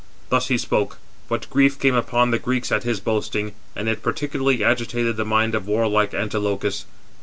Thus he spoke; but grief came upon the Greeks at his boasting, and it particularly agitated the mind of warlike Antilochus.